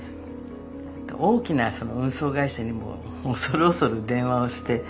大きな運送会社にも恐る恐る電話をして。